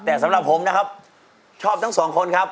แต่สำหรับผมนะครับชอบทั้งสองคนครับ